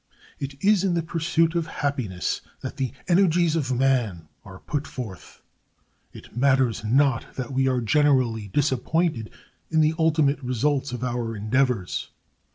It is in the pursuit of happiness that the energies of man are put forth. It matters not that we are generally disappointed in the ultimate results of our endeavors.